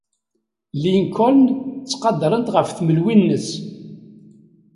Lincoln ttqadaren-t ɣef tmelwi-nnes.